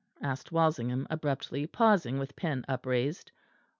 asked Walsingham abruptly, pausing with pen upraised.